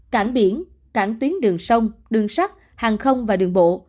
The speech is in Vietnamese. cảng biển cảng tuyến đường sông đường sắt hàng không và đường bộ